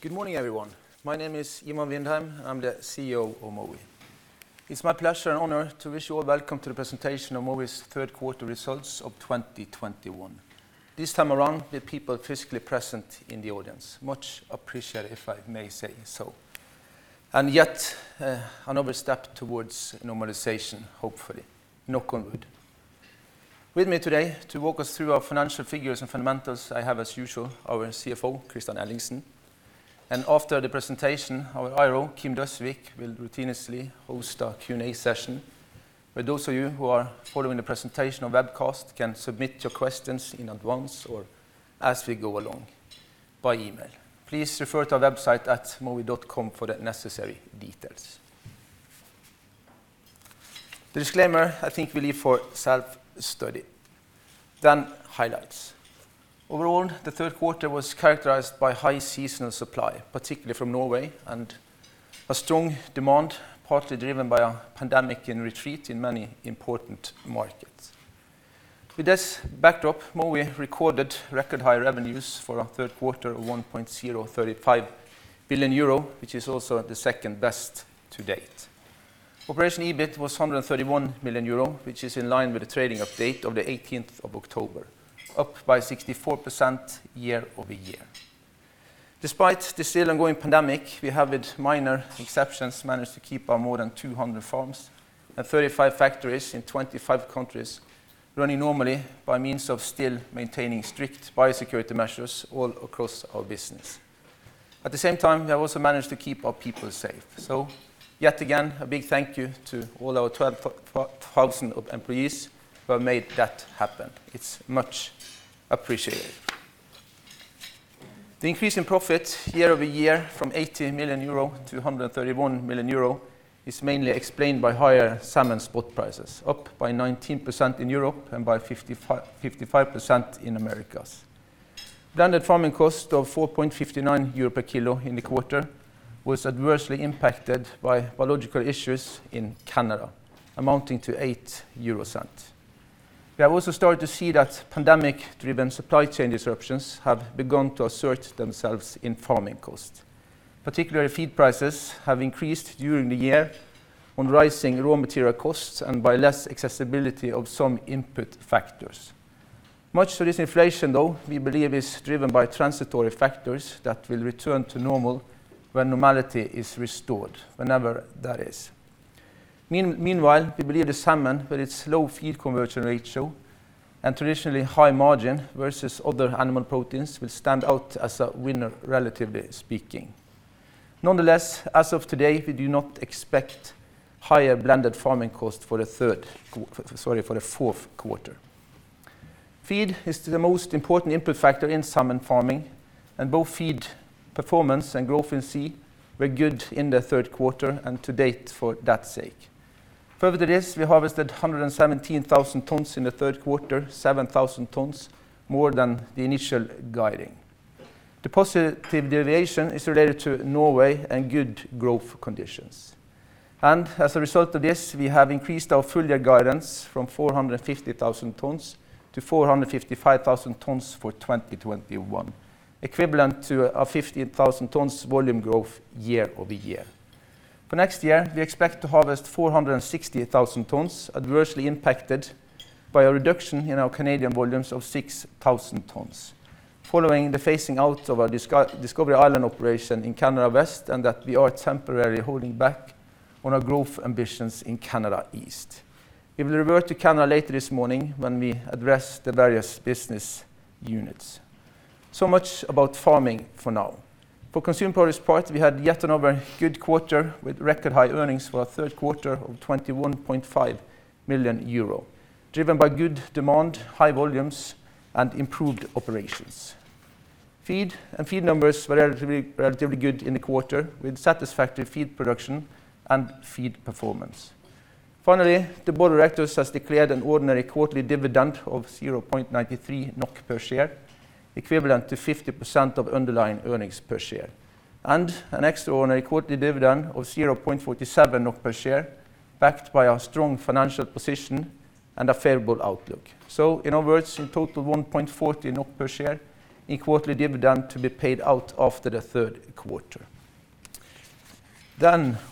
Good morning, everyone. My name is Ivan Vindheim. I'm the CEO of Mowi. It's my pleasure and honor to wish you all welcome to the presentation of Mowi's third quarter results of 2021. This time around, with people physically present in the audience, much appreciated, if I may say so. Yet, another step towards normalization, hopefully. Knock on wood. With me today to walk us through our financial figures and fundamentals, I have, as usual, our CFO, Kristian Ellingsen. After the presentation, our IR, Kim Døsvig, will routinely host a Q&A session, where those of you who are following the presentation on webcast can submit your questions in advance or as we go along by email. Please refer to our website at mowi.com for the necessary details. The disclaimer, I think we leave for self-study. Highlights. Overall, the third quarter was characterized by high seasonal supply, particularly from Norway, and a strong demand, partly driven by a pandemic in retreat in many important markets. With this backdrop, Mowi recorded record high revenues for our third quarter of 1.035 billion euro, which is also the second best to date. Operational EBIT was 131 million euro, which is in line with the trading update of the eighteenth of October, up by 64% year-over-year. Despite the still ongoing pandemic, we have, with minor exceptions, managed to keep our more than 200 farms and 35 factories in 25 countries running normally by means of still maintaining strict biosecurity measures all across our business. At the same time, we have also managed to keep our people safe. Yet again, a big thank you to all our 12,000 employees who have made that happen. It's much appreciated. The increase in profit year over year from 80 million euro to 131 million euro is mainly explained by higher salmon spot prices, up by 19% in Europe and by 55% in Americas. The farming cost of 4.59 euro per kilo in the quarter was adversely impacted by biological issues in Canada, amounting to 0.08. We have also started to see that pandemic-driven supply chain disruptions have begun to assert themselves in farming costs. Particularly feed prices have increased during the year on rising raw material costs and by less accessibility of some input factors. Much of this inflation, though, we believe is driven by transitory factors that will return to normal when normality is restored, whenever that is. Meanwhile, we believe the salmon, with its low feed conversion ratio and traditionally high margin versus other animal proteins, will stand out as a winner, relatively speaking. Nonetheless, as of today, we do not expect higher blended farming costs for the fourth quarter. Feed is the most important input factor in salmon farming, and both feed performance and growth in sea were good in the third quarter and to date for that sake. Further to this, we harvested 117,000 tons in the third quarter, 7,000 tons more than the initial guidance. The positive deviation is related to Norway and good growth conditions. As a result of this, we have increased our full year guidance from 450,000 tons to 455,000 tons for 2021, equivalent to a 50,000 tons volume growth year over year. For next year, we expect to harvest 460,000 tons, adversely impacted by a reduction in our Canadian volumes of 6,000 tons. Following the phasing out of our Discovery Islands operation in Canada West, and that we are temporarily holding back on our growth ambitions in Canada East. We will revert to Canada later this morning when we address the various business units. Much about farming for now. For Consumer Products part, we had yet another good quarter with record high earnings for our third quarter of 21.5 million euro, driven by good demand, high volumes, and improved operations. Feed and feed numbers were relatively good in the quarter, with satisfactory feed production and feed performance. Finally, the board of directors has declared an ordinary quarterly dividend of 0.93 NOK per share, equivalent to 50% of underlying earnings per share, and an extraordinary quarterly dividend of 0.47 per share, backed by a strong financial position and a favorable outlook. In other words, in total 1.40 NOK per share in quarterly dividend to be paid out after the third quarter.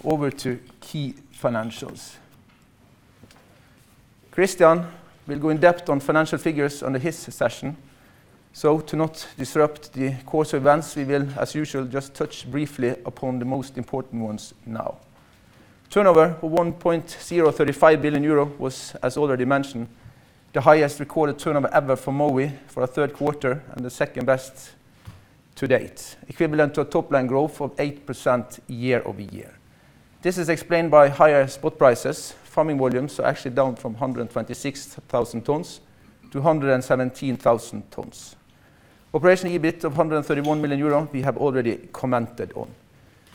Over to key financials. Kristian will go in-depth on financial figures under his session. To not disrupt the course of events, we will, as usual, just touch briefly upon the most important ones now. Turnover of 1.035 billion euro was, as already mentioned, the highest recorded turnover ever for Mowi for a third quarter and the second best to date, equivalent to a top line growth of 8% year-over-year. This is explained by higher spot prices. Farming volumes are actually down from 126,000 tons to 117,000 tons. Operational EBIT of 131 million euros we have already commented on.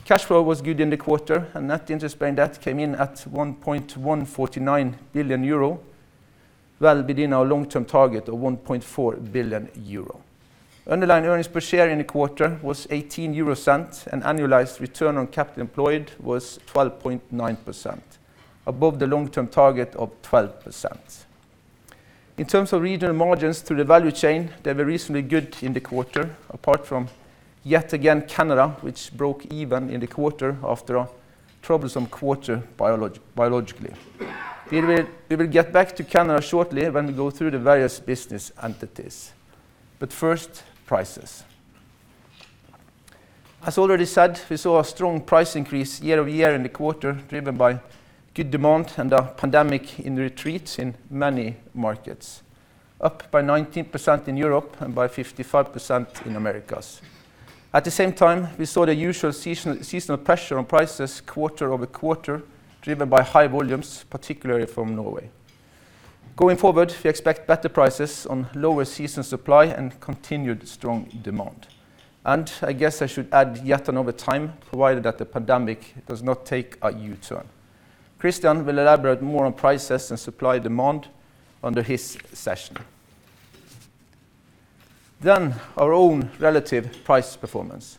Cash flow was good in the quarter, and net interest-bearing debt came in at 1.149 billion euro, well within our long-term target of 1.4 billion euro. Underlying earnings per share in the quarter was 0.18, and annualized return on capital employed was 12.9%, above the long-term target of 12%. In terms of regional margins through the value chain, they were reasonably good in the quarter, apart from yet again, Canada, which broke even in the quarter after a troublesome quarter biologically. We will get back to Canada shortly when we go through the various business entities. First, prices. As already said, we saw a strong price increase year-over-year in the quarter, driven by good demand and a pandemic in retreat in many markets, up by 19% in Europe and by 55% in Americas. At the same time, we saw the usual seasonal pressure on prices quarter-over-quarter driven by high volumes, particularly from Norway. Going forward, we expect better prices on lower season supply and continued strong demand. I guess I should add yet another time, provided that the pandemic does not take a U-turn. Kristian will elaborate more on prices and supply demand under his session. Our own relative price performance.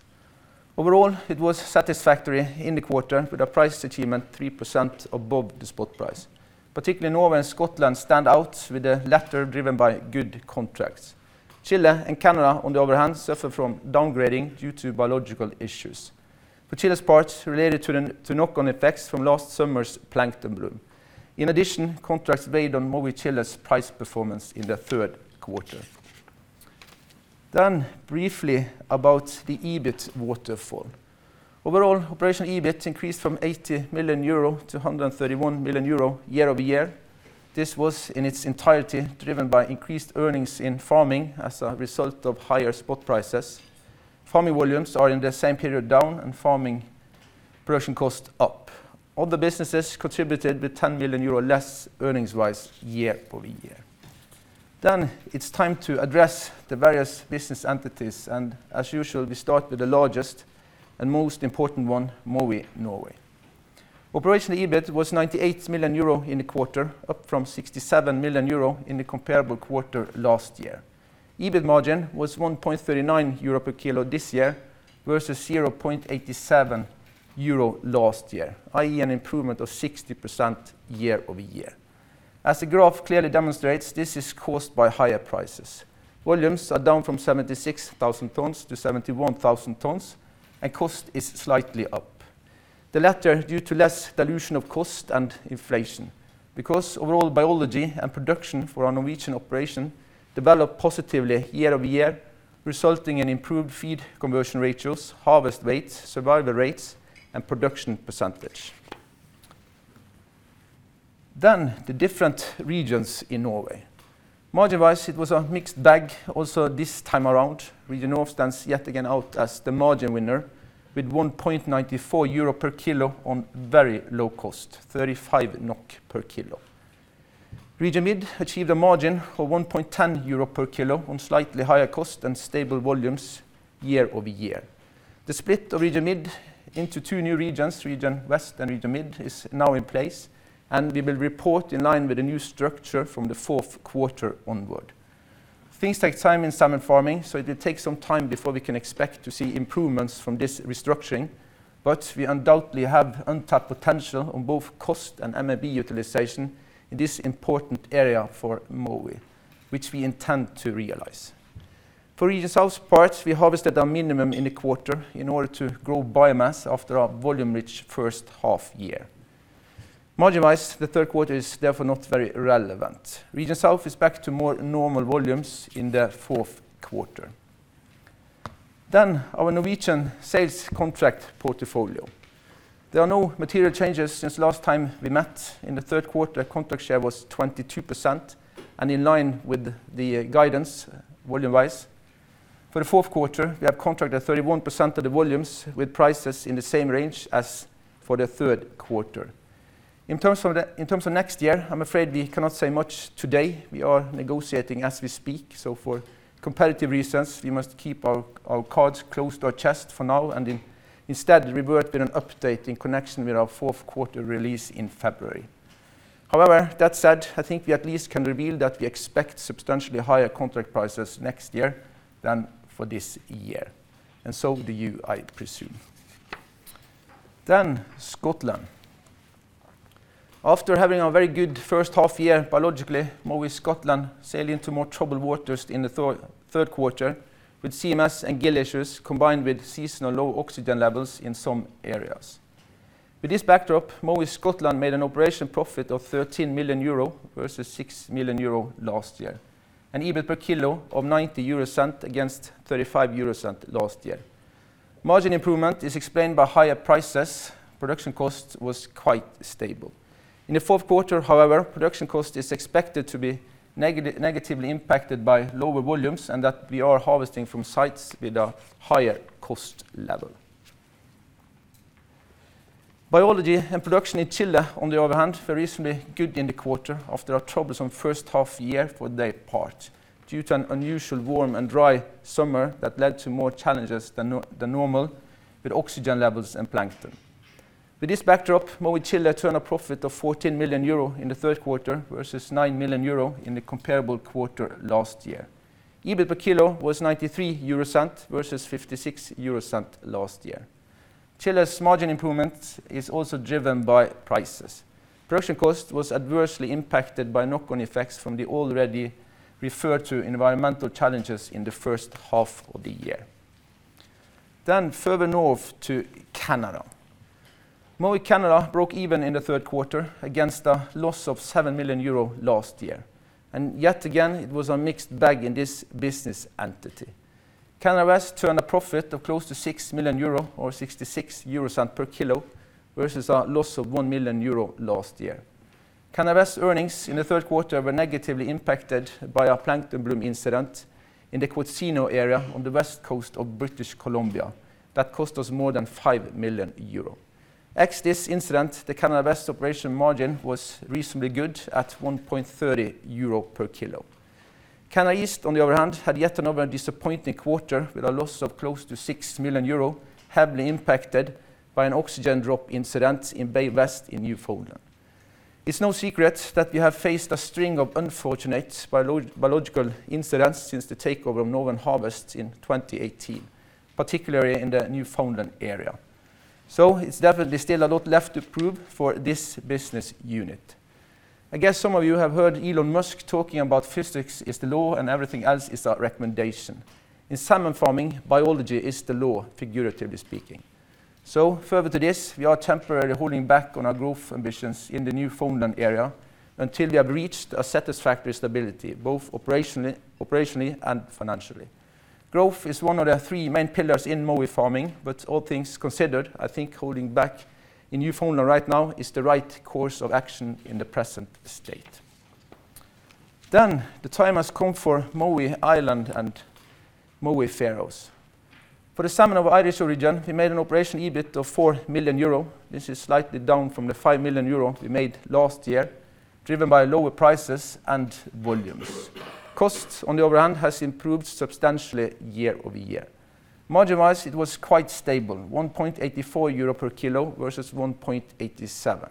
Overall, it was satisfactory in the quarter with a price achievement 3% above the spot price. Particularly Norway and Scotland stand out with the latter driven by good contracts. Chile and Canada, on the other hand, suffer from downgrading due to biological issues. For Chile's part, related to the knock-on effects from last summer's plankton bloom. In addition, contracts weighed on Mowi Chile's price performance in the third quarter. Briefly about the EBIT waterfall. Overall, operational EBIT increased from 80 million euro to 131 million euro year-over-year. This was in its entirety driven by increased earnings in farming as a result of higher spot prices. Farming volumes are in the same period down and farming production cost up. Other businesses contributed with 10 million euro less earnings-wise year-over-year. It's time to address the various business entities, and as usual, we start with the largest and most important one, Mowi Norway. Operational EBIT was 98 million euro in the quarter, up from 67 million euro in the comparable quarter last year. EBIT margin was 1.39 euro per kilo this year versus 0.87 euro last year, i.e., an improvement of 60% year-over-year. As the graph clearly demonstrates, this is caused by higher prices. Volumes are down from 76,000 tons to 71,000 tons, and cost is slightly up. The latter due to less dilution of cost and inflation. Because overall biology and production for our Norwegian operation developed positively year-over-year, resulting in improved feed conversion ratios, harvest rates, survival rates, and production percentage. The different regions in Norway. Margin-wise, it was a mixed bag also this time around. Region North stands out yet again as the margin winner with 1.94 euro per kilo on very low cost, 35 NOK per kilo. Region Mid achieved a margin of 1.10 euro per kilo on slightly higher cost and stable volumes year-over-year. The split of Region Mid into two new regions, Region West and Region Mid, is now in place, and we will report in line with the new structure from the fourth quarter onward. Things take time in salmon farming, so it will take some time before we can expect to see improvements from this restructuring, but we undoubtedly have untapped potential on both cost and MAB utilization in this important area for Mowi, which we intend to realize. For Region South, we harvested a minimum in the quarter in order to grow biomass after our volume-rich first half year. Margin-wise, the third quarter is therefore not very relevant. Region South is back to more normal volumes in the fourth quarter. Our Norwegian sales contract portfolio. There are no material changes since last time we met. In the third quarter, contract share was 22% and in line with the guidance volume-wise. For the fourth quarter, we have contracted 31% of the volumes with prices in the same range as for the third quarter. In terms of next year, I'm afraid we cannot say much today. We are negotiating as we speak, so for competitive reasons, we must keep our cards close to our chest for now and instead revert with an update in connection with our fourth quarter release in February. However, that said, I think we at least can reveal that we expect substantially higher contract prices next year than for this year, and so do you, I presume. Then Scotland. After having a very good first half year biologically, Mowi Scotland sailed into more troubled waters in the third quarter with CMS and gill issues combined with seasonal low oxygen levels in some areas. With this backdrop, Mowi Scotland made an operational profit of 13 million euro versus 6 million euro last year, an EBIT per kilo of 0.90 against 0.35 last year. Margin improvement is explained by higher prices. Production cost was quite stable. In the fourth quarter, however, production cost is expected to be negatively impacted by lower volumes and that we are harvesting from sites with a higher cost level. Biology and production in Chile, on the other hand, were reasonably good in the quarter after a troublesome first half year for their part, due to an unusually warm and dry summer that led to more challenges than normal with oxygen levels and plankton. With this backdrop, Mowi Chile turned a profit of 14 million euro in the third quarter versus 9 million euro in the comparable quarter last year. EBIT per kilo was 0.93 versus 0.56 last year. Chile's margin improvement is also driven by prices. Production cost was adversely impacted by knock-on effects from the already referred to environmental challenges in the first half of the year. Further north to Canada, Mowi Canada broke even in the third quarter against a loss of 7 million euro last year. Yet again, it was a mixed bag in this business entity. Canada West turned a profit of close to 6 million euro or 0.66 per kilo versus a loss of 1 million euro last year. Canada West earnings in the third quarter were negatively impacted by a plankton bloom incident in the Quatsino area on the west coast of British Columbia that cost us more than 5 million euro. Excluding this incident, the Canada West operational margin was reasonably good at 1.30 euro per kilo. Canada East, on the other hand, had yet another disappointing quarter with a loss of close to 6 million euro, heavily impacted by an oxygen drop incident in Bay West in Newfoundland. It's no secret that we have faced a string of unfortunate biological incidents since the takeover of Northern Harvest in 2018, particularly in the Newfoundland area. It's definitely still a lot left to prove for this business unit. I guess some of you have heard Elon Musk talking about physics is the law and everything else is a recommendation. In salmon farming, biology is the law, figuratively speaking. Further to this, we are temporarily holding back on our growth ambitions in the Newfoundland area until we have reached a satisfactory stability, both operationally and financially. Growth is one of the three main pillars in Mowi farming, but all things considered, I think holding back in Newfoundland right now is the right course of action in the present state. The time has come for Mowi Ireland and Mowi Faroes. For the salmon of Irish origin, we made an operational EBIT of 4 million euro. This is slightly down from the 5 million euro we made last year, driven by lower prices and volumes. Costs on the other hand has improved substantially year-over-year. Margin-wise, it was quite stable, 1.84 euro per kilo versus 1.8 EUR per kilo.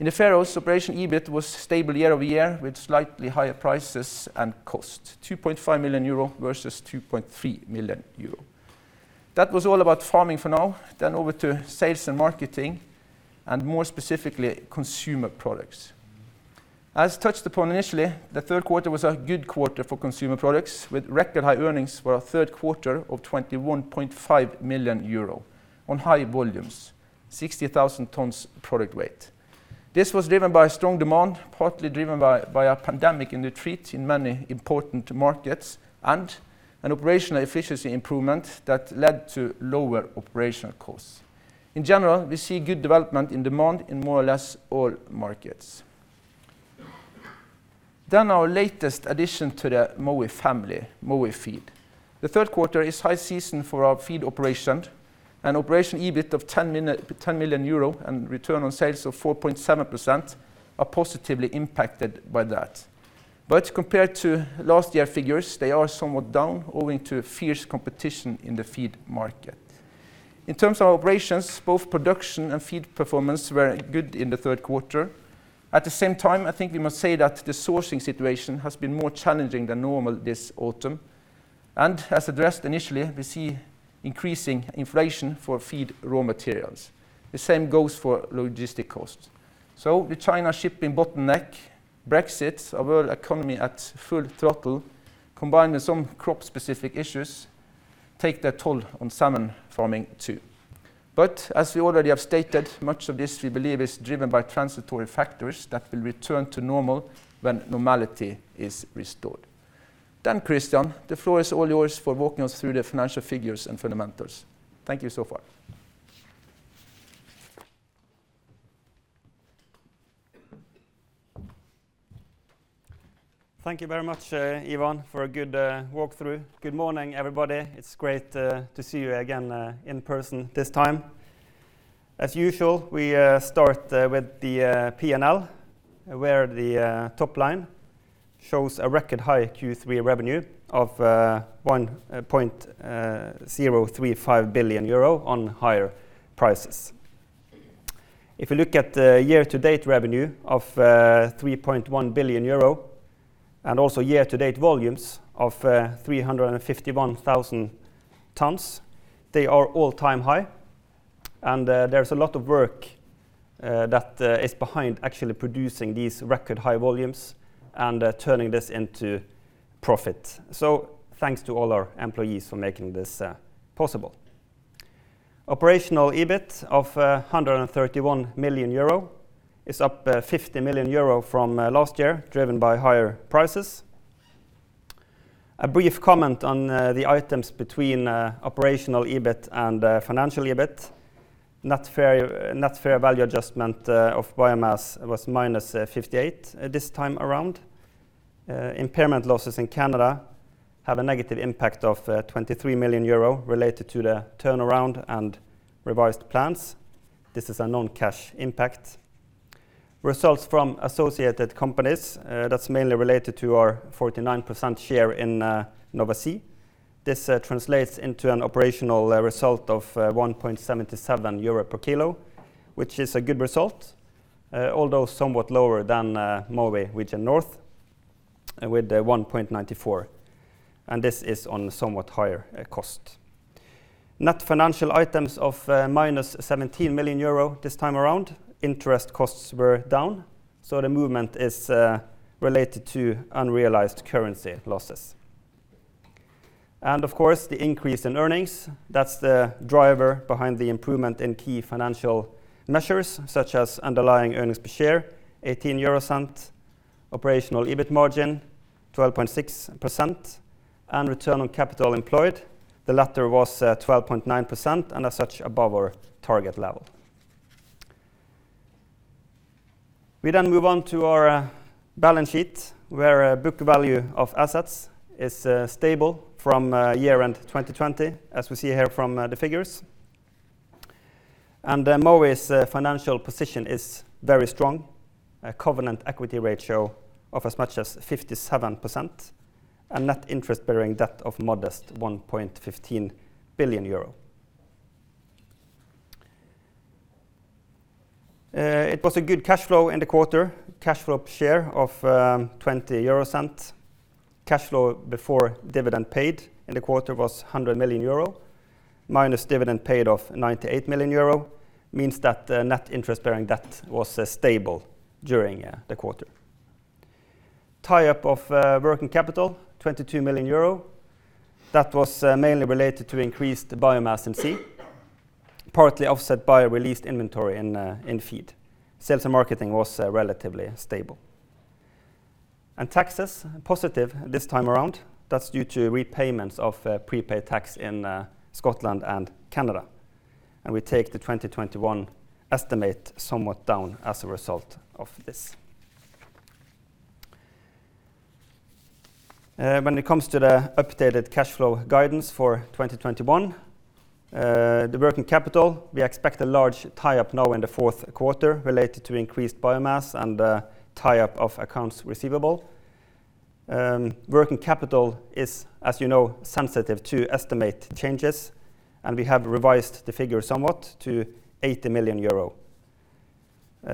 In the Faroes, Operational EBIT was stable year-over-year with slightly higher prices and cost, 2.5 million euro versus 2.3 million euro. That was all about farming for now. Over to sales and marketing, and more specifically, Consumer Products. As touched upon initially, the third quarter was a good quarter for Consumer Products with record high earnings for our third quarter of 21.5 million euro on high volumes, 60,000 tons product weight. This was driven by strong demand, partly driven by a pandemic and the threat in many important markets and an operational efficiency improvement that led to lower operational costs. In general, we see good development in demand in more or less all markets. Our latest addition to the Mowi family, Mowi Feed. The third quarter is high season for our feed operation. An operational EBIT of 10 million euro and return on sales of 4.7% are positively impacted by that. Compared to last year figures, they are somewhat down owing to fierce competition in the feed market. In terms of operations, both production and feed performance were good in the third quarter. At the same time, I think we must say that the sourcing situation has been more challenging than normal this fall. as addressed initially, we see increasing inflation for feed raw materials. The same goes for logistics costs. the China shipping bottleneck, Brexit, our world economy at full throttle, combined with some crop-specific issues, take their toll on salmon farming too. as we already have stated, much of this, we believe, is driven by transitory factors that will return to normal when normality is restored. Kristian, the floor is all yours for walking us through the financial figures and fundamentals. Thank you so far. Thank you very much, Ivan, for a good walkthrough. Good morning, everybody. It's great to see you again in person this time. As usual, we start with the P&L, where the top line shows a record high Q3 revenue of 1.035 billion euro on higher prices. If you look at the year-to-date revenue of 3.1 billion euro and also year-to-date volumes of 351,000 tons, they are all-time high, and there's a lot of work that is behind actually producing these record high volumes and turning this into profit. Thanks to all our employees for making this possible. Operational EBIT of 131 million euro is up 50 million euro from last year, driven by higher prices. A brief comment on the items between operational EBIT and financial EBIT. Net fair value adjustment of biomass was -58 this time around. Impairment losses in Canada have a negative impact of 23 million euro related to the turnaround and revised plans. This is a non-cash impact. Results from associated companies, that's mainly related to our 49% share in Nova Sea. This translates into an operational result of 1.77 euro per kilo, which is a good result, although somewhat lower than Mowi Region North America with the 1.94, and this is on somewhat higher cost. Net financial items of -17 million euro this time around. Interest costs were down, so the movement is related to unrealized currency losses. Of course, the increase in earnings, that's the driver behind the improvement in key financial measures such as underlying earnings per share, 0.18, operational EBIT margin 12.6%, and return on capital employed. The latter was 12.9%, and as such, above our target level. We then move on to our balance sheet, where book value of assets is stable from year-end 2020, as we see here from the figures. Mowi's financial position is very strong. A covenant equity ratio of as much as 57% and net interest-bearing debt of modest 1.15 billion euro. It was a good cash flow in the quarter. Cash flow per share of 0.20. Cash flow before dividend paid in the quarter was 100 million euro, minus dividend paid of 98 million euro, means that net interest bearing debt was stable during the quarter. Tie-up of working capital, 22 million euro. That was mainly related to increased biomass in sea, partly offset by a released inventory in feed. Sales and marketing was relatively stable. Taxes, positive this time around. That's due to repayments of prepaid tax in Scotland and Canada. We take the 2021 estimate somewhat down as a result of this. When it comes to the updated cash flow guidance for 2021, the working capital, we expect a large tie-up now in the fourth quarter related to increased biomass and tie-up of accounts receivable. Working capital is, as you know, sensitive to estimate changes, and we have revised the figure somewhat to 80 million euro,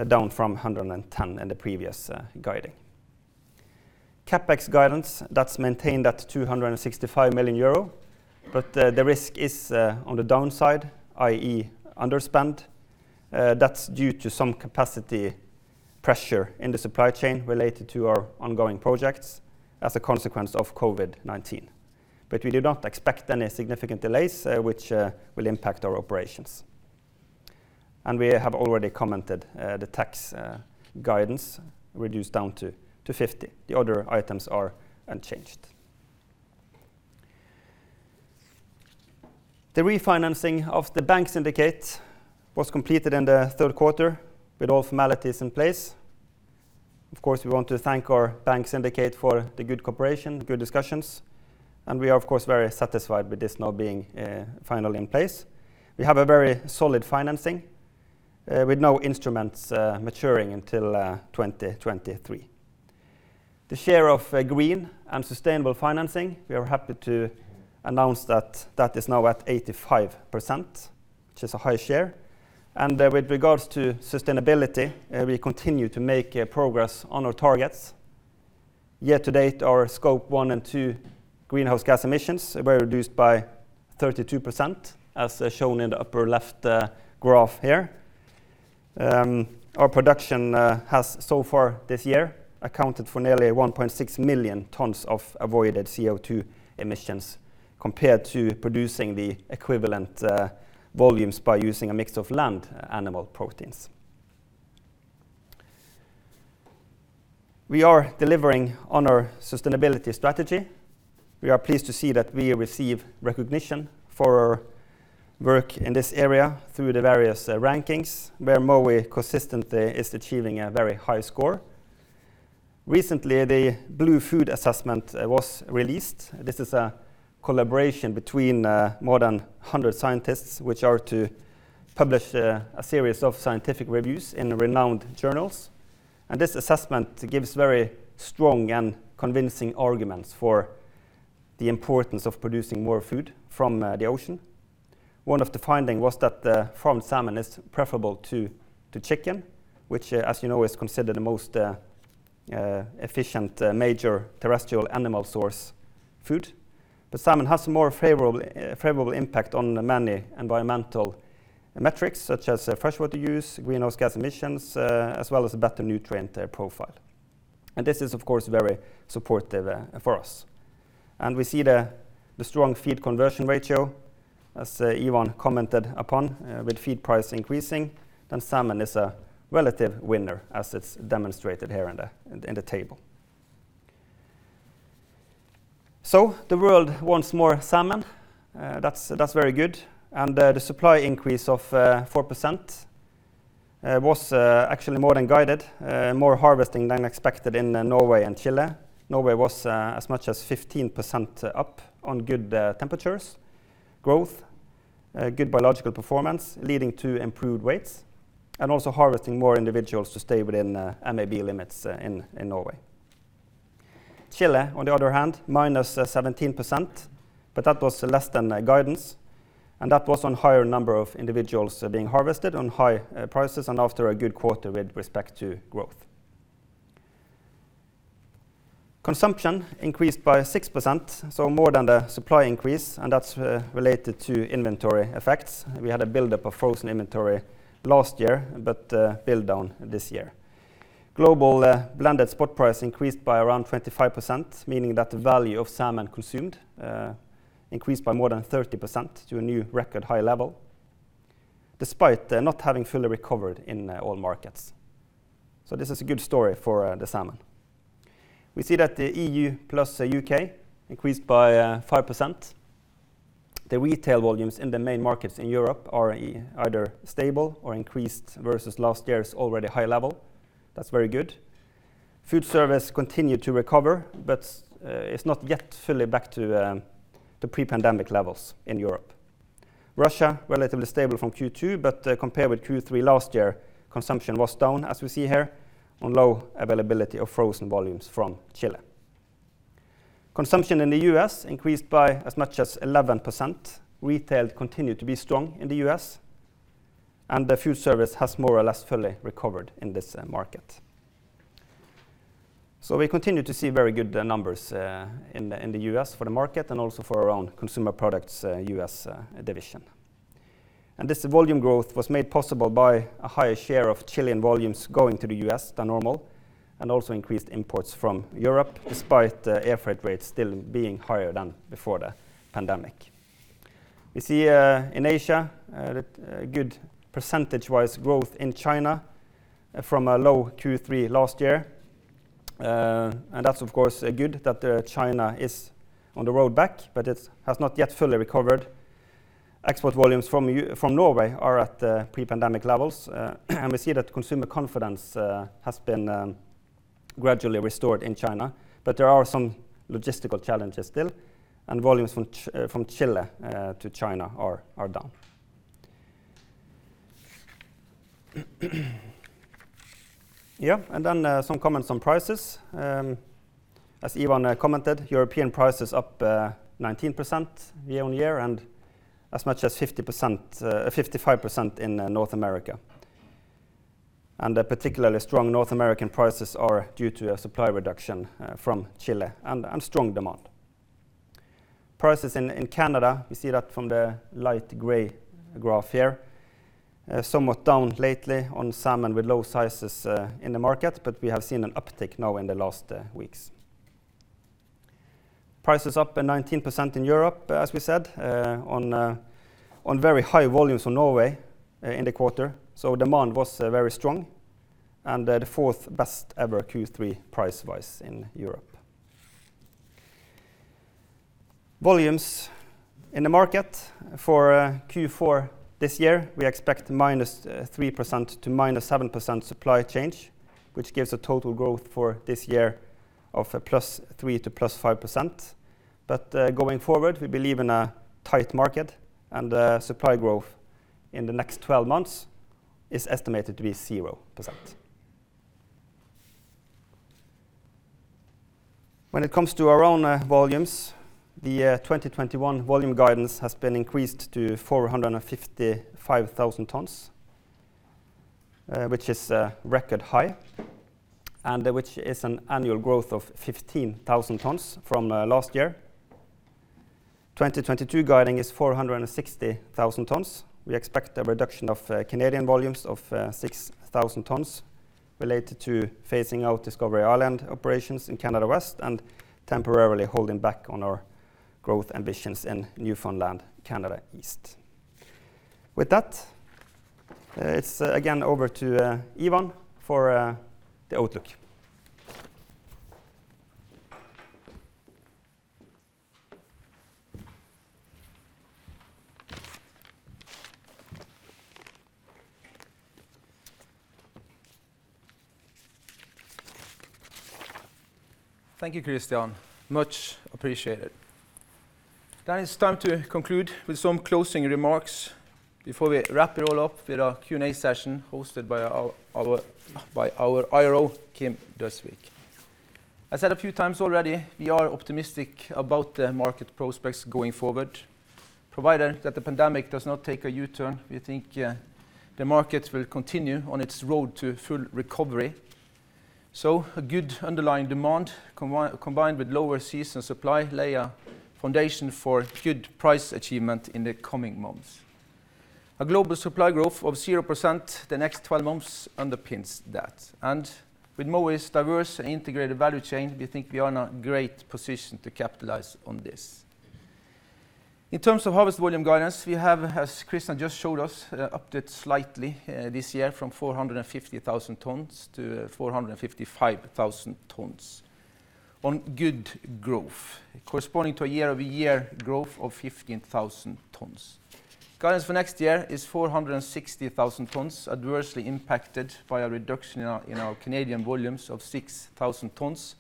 down from 110 million in the previous guidance. CapEx guidance, that's maintained at 265 million euro, but the risk is on the downside, i.e., underspend. That's due to some capacity pressure in the supply chain related to our ongoing projects as a consequence of COVID-19. We do not expect any significant delays, which will impact our operations. We have already commented the tax guidance reduced down to 50. The other items are unchanged. The refinancing of the bank syndicate was completed in the third quarter with all formalities in place. Of course, we want to thank our bank syndicate for the good cooperation, good discussions, and we are of course very satisfied with this now being finally in place. We have a very solid financing with no instruments maturing until 2023. The share of green and sustainable financing, we are happy to announce that that is now at 85%, which is a high share. With regards to sustainability, we continue to make progress on our targets. Year to date, our Scope 1 and 2 greenhouse gas emissions were reduced by 32%, as shown in the upper left graph here. Our production has so far this year accounted for nearly 1.6 million tons of avoided CO2 emissions compared to producing the equivalent volumes by using a mix of land animal proteins. We are delivering on our sustainability strategy. We are pleased to see that we receive recognition for our work in this area through the various rankings, where Mowi consistently is achieving a very high score. Recently, the Blue Food Assessment was released. This is a collaboration between more than 100 scientists, which are to publish a series of scientific reviews in renowned journals. This assessment gives very strong and convincing arguments for the importance of producing more food from the ocean. One of the finding was that the farmed salmon is preferable to chicken, which, as you know, is considered the most efficient major terrestrial animal source food. Salmon has a more favorable impact on the many environmental metrics, such as freshwater use, greenhouse gas emissions, as well as a better nutrient profile. This is of course very supportive for us. We see the strong feed conversion ratio, as Ivan commented upon, with feed price increasing, then salmon is a relative winner as it's demonstrated here in the table. The world wants more salmon. That's very good. The supply increase of 4% was actually more than guided, more harvesting than expected in Norway and Chile. Norway was as much as 15% up on good temperatures, growth, good biological performance leading to improved weights and also harvesting more individuals to stay within MAB limits in Norway. Chile, on the other hand, -17%, but that was less than guidance. That was on higher number of individuals being harvested on high prices and after a good quarter with respect to growth. Consumption increased by 6%, so more than the supply increase, and that's related to inventory effects. We had a buildup of frozen inventory last year, but build down this year. Global blended spot price increased by around 25%, meaning that the value of salmon consumed increased by more than 30% to a new record high level despite not having fully recovered in all markets. This is a good story for the salmon. We see that the EU plus U.K. increased by 5%. The retail volumes in the main markets in Europe are either stable or increased versus last year's already high level. That's very good. Food service continued to recover, but it's not yet fully back to pre-pandemic levels in Europe. In Russia, relatively stable from Q2, but compared with Q3 last year, consumption was down as we see here due to low availability of frozen volumes from Chile. Consumption in the U.S. increased by as much as 11%. Retail continued to be strong in the U.S., and the food service has more or less fully recovered in this market. We continue to see very good numbers in the U.S. for the market and also for our own Consumer Products' U.S. division. This volume growth was made possible by a higher share of Chilean volumes going to the U.S. than normal and also increased imports from Europe despite air freight rates still being higher than before the pandemic. We see in Asia good percentage-wise growth in China from a low Q3 last year. That's of course good that China is on the road back, but it has not yet fully recovered. Export volumes from Norway are at pre-pandemic levels, and we see that consumer confidence has been gradually restored in China, but there are some logistical challenges still and volumes from Chile to China are down. Then some comments on prices. As Ivan commented, European prices up 19% year-on-year and as much as 55% in North America. The particularly strong North American prices are due to a supply reduction from Chile and strong demand. Prices in Canada, we see that from the light gray graph here, somewhat down lately on salmon with low sizes in the market, but we have seen an uptick now in the last weeks. Prices up 19% in Europe, as we said, on very high volumes from Norway in the quarter. Demand was very strong and the fourth best ever Q3 price-wise in Europe. Volumes in the market for Q4 this year, we expect -3% to -7% supply change, which gives a total growth for this year of +3% to +5%. Going forward, we believe in a tight market and supply growth in the next 12 months is estimated to be 0%. When it comes to our own volumes, the 2021 volume guidance has been increased to 455,000 tons, which is a record high, and which is an annual growth of 15,000 tons from last year. 2022 guiding is 460,000 tons. We expect a reduction of Canadian volumes of 6,000 tons related to phasing out Discovery Islands operations in Canada West and temporarily holding back on our growth ambitions in Newfoundland, Canada East. With that, it's again over to Ivan for the outlook. Thank you, Kristian. Much appreciated. It's time to conclude with some closing remarks before we wrap it all up with a Q&A session hosted by our IRO, Kim Døsvig. I said a few times already, we are optimistic about the market prospects going forward. Provided that the pandemic does not take a U-turn, we think the market will continue on its road to full recovery. A good underlying demand combined with lower seasonal supply lays a foundation for good price achievement in the coming months. A global supply growth of 0% the next 12 months underpins that. With Mowi's diverse and integrated value chain, we think we are in a great position to capitalize on this. In terms of harvest volume guidance, we have, as Kristian just showed us, upped it slightly this year from 450,000 tons to 455,000 tons on good growth, corresponding to a year-over-year growth of 15,000 tons. Guidance for next year is 460,000 tons, adversely impacted by a reduction in our Canadian volumes of 6,000 tons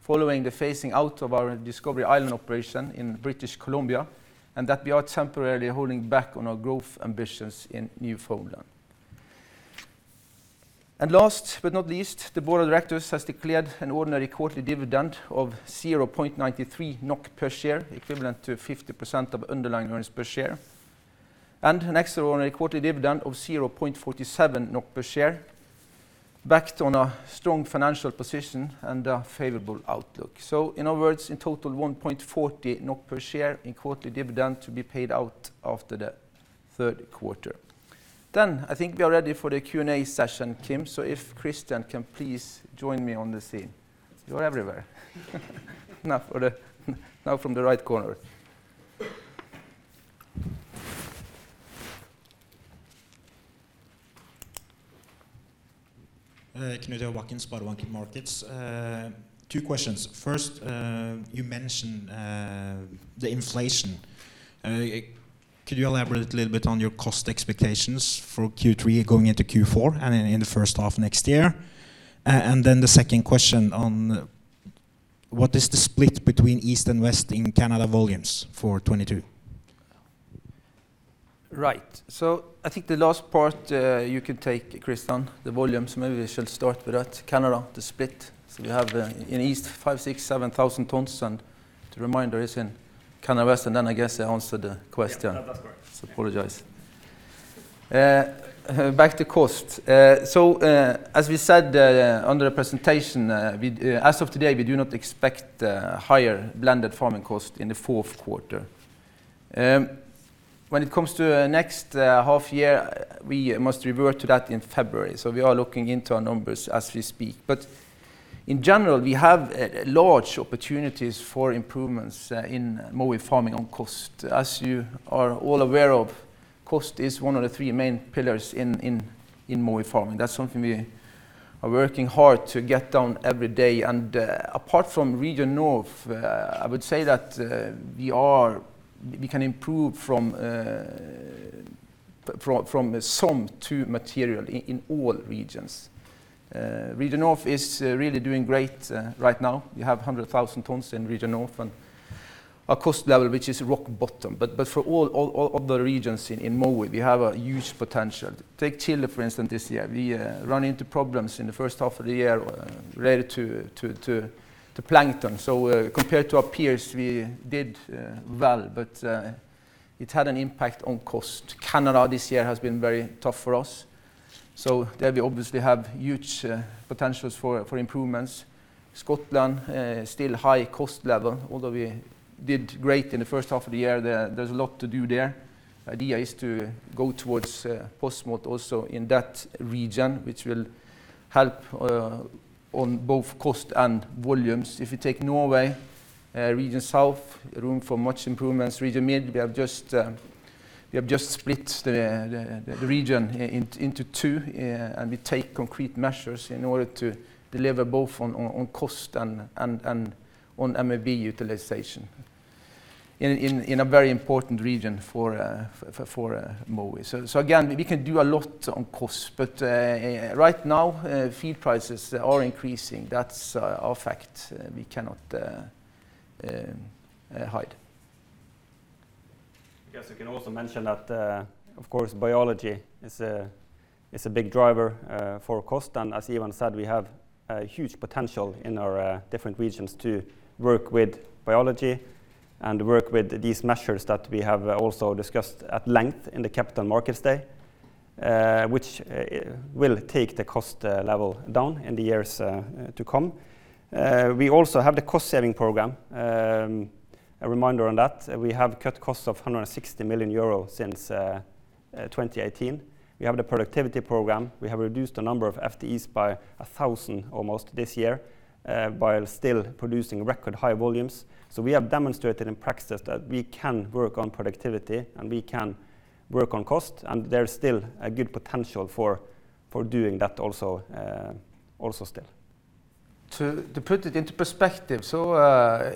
following the phasing out of our Discovery Islands operation in British Columbia, and that we are temporarily holding back on our growth ambitions in Newfoundland. Last but not least, the board of directors has declared an ordinary quarterly dividend of 0.93 NOK per share, equivalent to 50% of underlying earnings per share, and an extraordinary quarterly dividend of 0.47 NOK per share, backed on a strong financial position and a favorable outlook. In other words, in total 1.40 per share in quarterly dividend to be paid out after the third quarter. I think we are ready for the Q&A session, Kim. If Kristian can please join me on the scene. You're everywhere. Now from the right corner. Knut-Ivar Bakken SpareBank 1 Markets. Two questions. First, you mentioned the inflation. Could you elaborate a little bit on your cost expectations for Q3 going into Q4 and in the first half of next year? And then the second question on what is the split between East and West in Canada volumes for 2022? Right. I think the last part, you can take Kristian, the volumes. Maybe we should start with that. Canada, the split. We have in East 5,000, 6,000, 7,000 tons, and the remainder is in Canada West. I guess I answered the question. Yeah. That, that's correct. Apologize. Back to cost. As we said, under the presentation, as of today, we do not expect higher blended farming cost in the fourth quarter. When it comes to next half year, we must revert to that in February. We are looking into our numbers as we speak. In general, we have large opportunities for improvements in Mowi farming on cost. As you are all aware of, cost is one of the three main pillars in Mowi farming. That's something we are working hard to get down every day. Apart from Region North, I would say that we can improve from some to material in all regions. Region North is doing great right now. We have 100,000 tons in Region North and a cost level which is rock bottom. For all other regions in Mowi, we have a huge potential. Take Chile, for instance, this year. We run into problems in the first half of the year related to plankton. Compared to our peers, we did well, but it had an impact on cost. Canada this year has been very tough for us, so there we obviously have huge potentials for improvements. Scotland still high cost level, although we did great in the first half of the year, there's a lot to do there. Idea is to go towards post-smolt also in that region, which will help on both cost and volumes. If you take Norway, Region South, room for much improvements. Region Mid, we have just split the region into two, and we take concrete measures in order to deliver both on cost and on MAB utilization in a very important region for Mowi. Again, we can do a lot on cost. Right now, feed prices are increasing. That's a fact we cannot hide. I guess we can also mention that, of course, biology is a big driver for cost. As Ivan said, we have a huge potential in our different regions to work with biology and work with these measures that we have also discussed at length in the Capital Markets Day, which will take the cost level down in the years to come. We also have the cost-saving program. A reminder on that, we have cut costs of 160 million euro since 2018. We have the productivity program. We have reduced the number of FTEs by almost 1,000 this year while still producing record high volumes. We have demonstrated in practice that we can work on productivity, and we can work on cost, and there is still a good potential for doing that also still. To put it into perspective,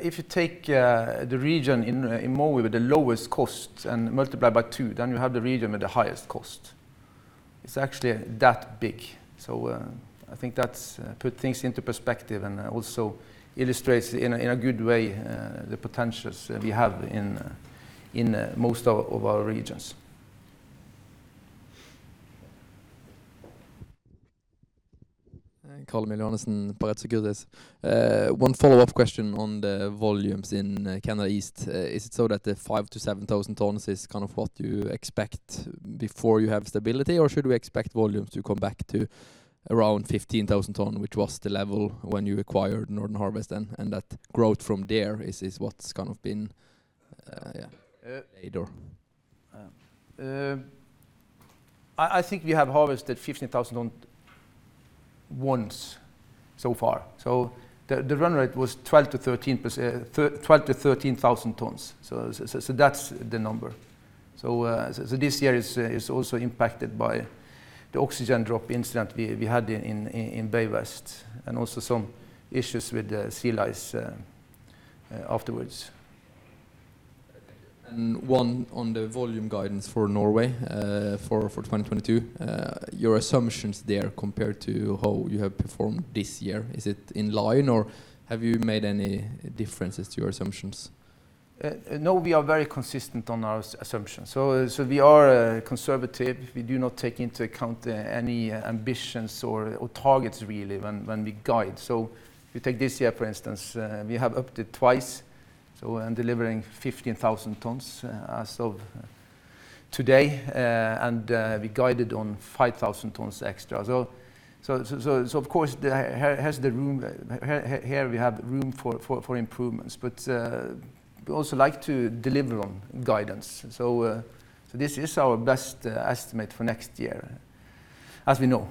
if you take the region in Mowi with the lowest cost and multiply by two, then you have the region with the highest cost. It's actually that big. I think that's put things into perspective and also illustrates in a good way the potentials we have in most of our regions. Carl-Emil Kjølås Johannessen, Pareto Securities. One follow-up question on the volumes in Canada East. Is it so that the 5,000-7,000 tons is kind of what you expect before you have stability, or should we expect volumes to come back to around 15,000 tons, which was the level when you acquired Northern Harvest and that growth from there is what's kind of been, yeah, later? I think we have harvested 15,000 tons once so far. The run rate was 12,000-13,000 tons. That's the number. This year is also impacted by the oxygen drop incident we had in Bay West and also some issues with the sea lice afterwards. One on the volume guidance for Norway for 2022. Your assumptions there compared to how you have performed this year, is it in line, or have you made any differences to your assumptions? No, we are very consistent on our assumption. So we are conservative. We do not take into account any ambitions or targets really when we guide. If you take this year, for instance, we have upped it twice, delivering 15,000 tons as of today. We guided on 5,000 tons extra. So of course, here's the room we have room for improvements. We also like to deliver on guidance. This is our best estimate for next year as we know.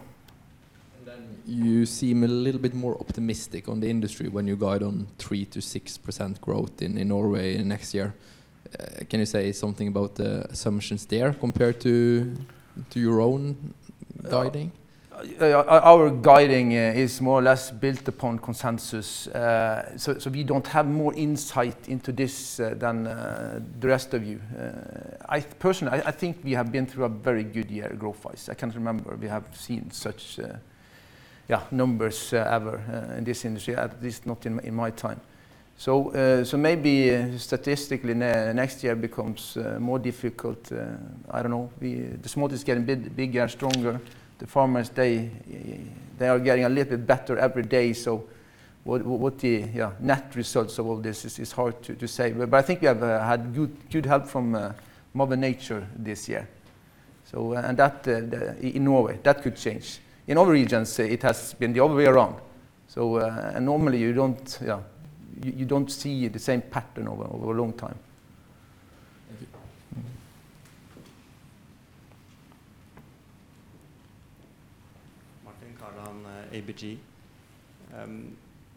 You seem a little bit more optimistic on the industry when you guide on 3%-6% growth in Norway next year. Can you say something about the assumptions there compared to your own guiding? Our guiding is more or less built upon consensus. So we don't have more insight into this than the rest of you. I personally think we have been through a very good year growth-wise. I can't remember we have seen such yeah numbers ever in this industry, at least not in my time. Maybe statistically next year becomes more difficult. I don't know. The smolt is getting bigger and stronger. The farmers they are getting a little bit better every day. What the yeah net results of all this is hard to say. I think we have had good help from Mother Nature this year. In Norway, that could change. In other regions, it has been the other way around. Normally you don't, yeah, you don't see the same pattern over a long time. Thank you. Mm-hmm. Martin Kaland, ABG.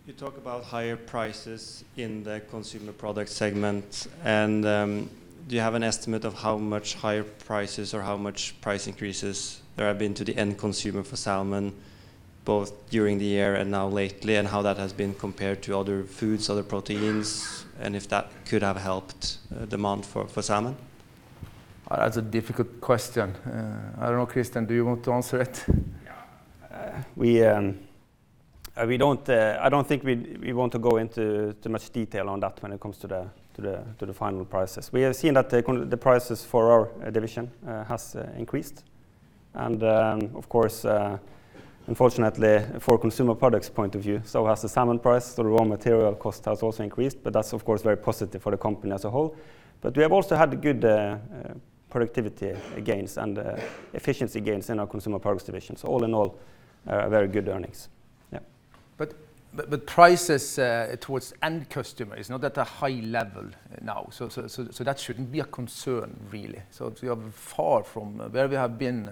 You talk about higher prices in the Consumer Products segment. Do you have an estimate of how much higher prices or how much price increases there have been to the end consumer for salmon, both during the year and now lately, and how that has been compared to other foods, other proteins, and if that could have helped demand for salmon? That's a difficult question. I don't know, Kristian, do you want to answer it? Yeah. I don't think we want to go into too much detail on that when it comes to the final prices. We have seen that the prices for our division has increased. Of course, unfortunately for Consumer Products point of view, so has the salmon price, the raw material cost has also increased, but that's of course very positive for the company as a whole. We have also had good productivity gains and efficiency gains in our Consumer Products division. All in all, very good earnings. Yeah. Prices towards end customer is not at a high level now. That shouldn't be a concern really. We are far from where we have been,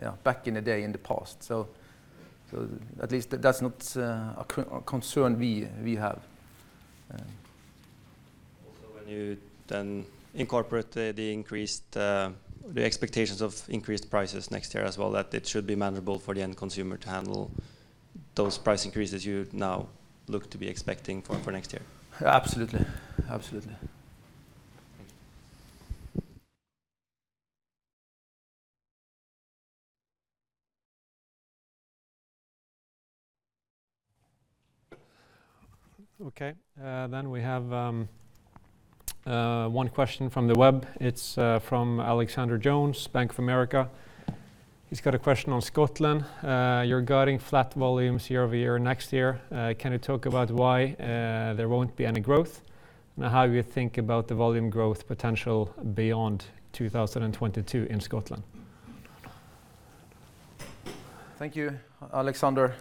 yeah, back in the day in the past. At least that's not a concern we have. Also when you then incorporate the increased expectations of increased prices next year as well, that it should be manageable for the end consumer to handle those price increases you now look to be expecting for next year. Absolutely. Thank you. Okay. We have one question from the web. It's from Alexander Jones, Bank of America. He's got a question on Scotland. You're guiding flat volumes year-over-year next year. Can you talk about why there won't be any growth? And how you think about the volume growth potential beyond 2022 in Scotland? Thank you, Alexander.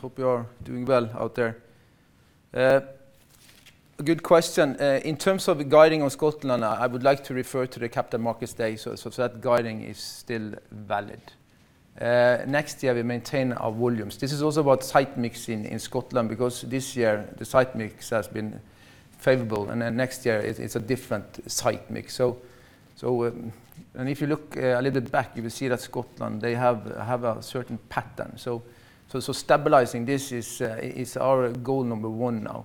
Hope you're doing well out there. A good question. In terms of guidance on Scotland, I would like to refer to the Capital Markets Day, so that guidance is still valid. Next year, we maintain our volumes. This is also about site mix in Scotland because this year the site mix has been favorable, and then next year it's a different site mix. If you look a little back, you will see that Scotland, they have a certain pattern. Stabilizing this is our goal number one now.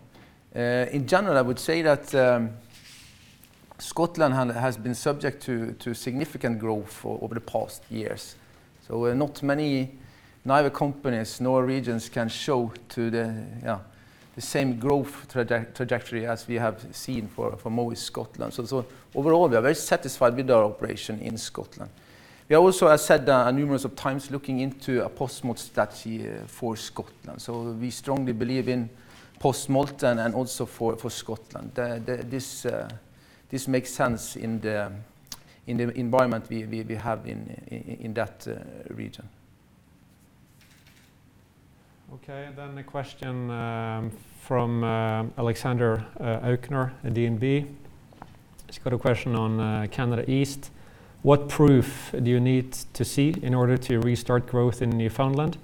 In general, I would say that Scotland has been subject to significant growth over the past years. Not many, neither companies nor regions can show the same growth trajectory as we have seen for Mowi Scotland. Overall, we are very satisfied with our operation in Scotland. We also have said numerous times looking into a post-smolt strategy for Scotland. We strongly believe in post-smolt and also for Scotland. This makes sense in the environment we have in that region. Okay. A question from Alexander Aukner at DNB. He's got a question on Canada East. What proof do you need to see in order to restart growth in Newfoundland?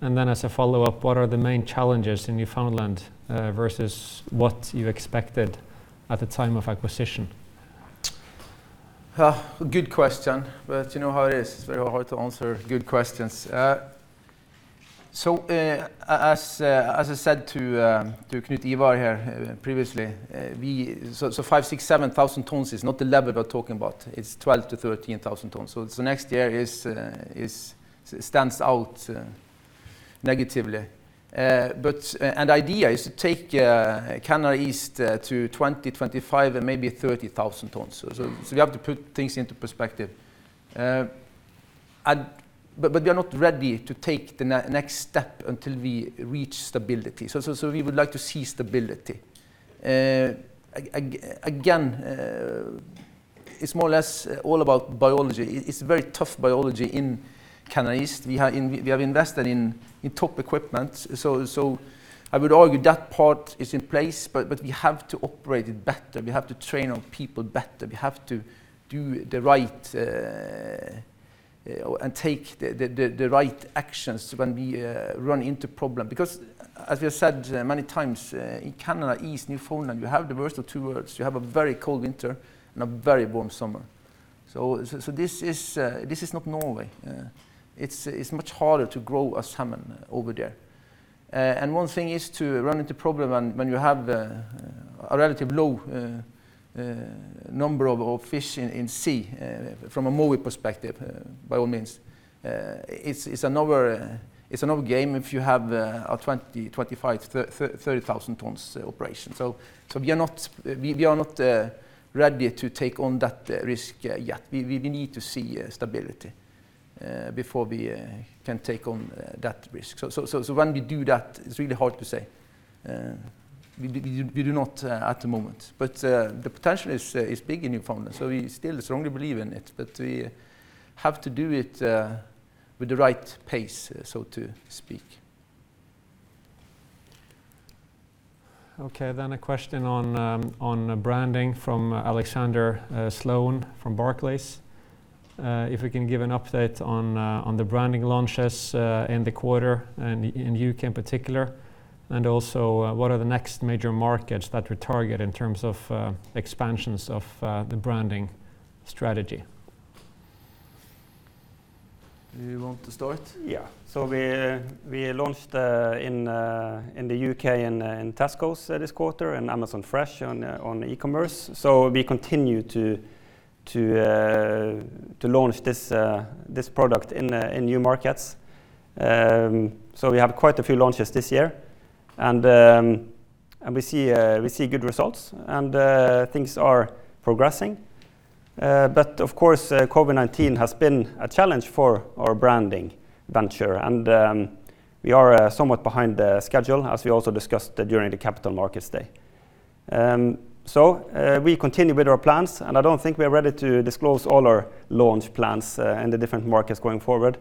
And then as a follow-up, what are the main challenges in Newfoundland versus what you expected at the time of acquisition? Good question, but you know how it is. It's very hard to answer good questions. As I said to Knut-Ivar Bakken here previously, 5,000, 6,000, 7,000 tons is not the level we're talking about. It's 12,000-13,000 tons. Next year stands out negatively. But, and the idea is to take Canada East to 20,000, 25,000, and maybe 30,000 tons. We have to put things into perspective. We are not ready to take the next step until we reach stability. We would like to see stability. Again, it's more or less all about biology. It's very tough biology in Canada East. We have invested in top equipment. I would argue that part is in place, but we have to operate it better. We have to train our people better. We have to do the right and take the right actions when we run into problem. Because as we have said many times in eastern Canada, Newfoundland, you have the worst of two worlds. You have a very cold winter and a very warm summer. This is not Norway. It's much harder to grow a salmon over there. One thing is to run into problem when you have a relatively low number of fish in sea from a Mowi perspective, by all means. It's another game if you have a 20,000, 25,000, 30,000 tons operation. We are not ready to take on that risk yet. We need to see stability before we can take on that risk. When we do that, it's really hard to say. We do not at the moment. The potential is big in Newfoundland, so we still strongly believe in it, but we have to do it with the right pace, so to speak. Okay, a question on branding from Alexander Sloane from Barclays. If we can give an update on the branding launches in the quarter and in U.K. in particular, and also what are the next major markets that we target in terms of expansions of the branding strategy? You want to start? Yeah. We launched in the U.K. in Tesco this quarter, and Amazon Fresh on e-commerce. We continue to launch this product in new markets. We have quite a few launches this year, and we see good results, and things are progressing. But of course, COVID-19 has been a challenge for our branding venture, and we are somewhat behind schedule, as we also discussed during the Capital Markets Day. We continue with our plans, and I don't think we're ready to disclose all our launch plans in the different markets going forward.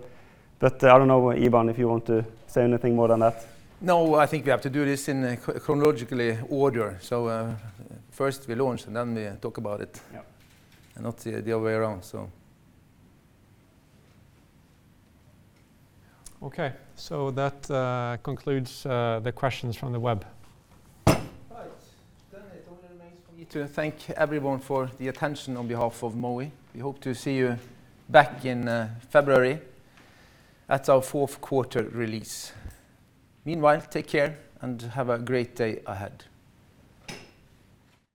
But I don't know, Ivan, if you want to say anything more than that. No, I think we have to do this in a chronologically order. First we launch, and then we talk about it. Yeah. not the other way around, so. Okay. That concludes the questions from the web. Right. It only remains for me to thank everyone for the attention on behalf of Mowi. We hope to see you back in February at our fourth quarter release. Meanwhile, take care and have a great day ahead.